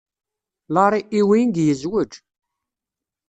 Larry Ewing yezwej.